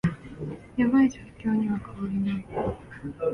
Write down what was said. ヤバい状況には変わりない